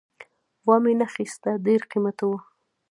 وامې نه خیسته ډېر قیمته وو